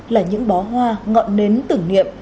là những bó hoa ngọn nến tửng niệm